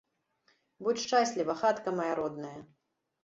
Будзь шчасліва, хатка мая родная!